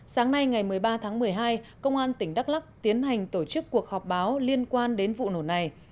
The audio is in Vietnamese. sáng nay ngày một mươi ba tháng một mươi hai công an tỉnh đắk lắc tiến hành tổ chức cuộc họp báo liên quan đến vụ nổ này